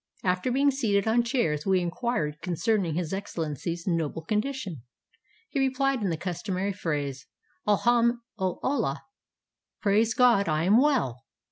After being seated on chairs we inquired concerning His Excellency's "noble condition." He replied in the customary phrase, " Al hamd ul Ullah!" ("Praise God, I am well!")